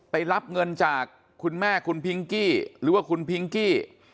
รับเงินจากคุณแม่คุณพิงกี้หรือว่าคุณพิงกี้